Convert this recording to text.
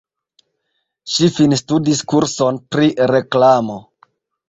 Ŝi finstudis kurson pri reklamo.